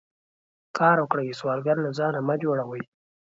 کار وکړئ سوالګر له ځانه مه جوړوئ